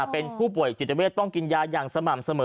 เป็นผู้ป่วยจิตเวทต้องกินยาอย่างสม่ำเสมอ